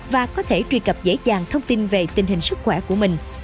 và có thể truy cập dễ dàng thông tin về tình hình sức khỏe của mình